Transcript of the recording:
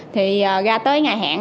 thì ra tới ngày hẹn